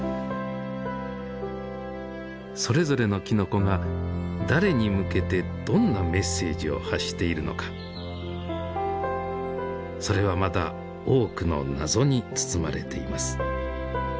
それぞれのきのこが誰に向けてどんなメッセージを発しているのかそれはまだ多くの謎に包まれています。